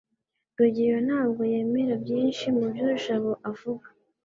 rugeyo ntabwo yemera byinshi mubyo jabo avuga